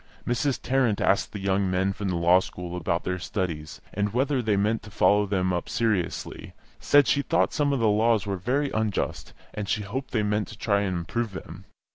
Mrs. Tarrant asked the young men from the Law School about their studies, and whether they meant to follow them up seriously; said she thought some of the laws were very unjust, and she hoped they meant to try and improve them.